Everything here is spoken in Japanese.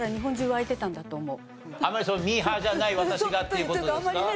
あんまりミーハーじゃない私がっていう事ですか？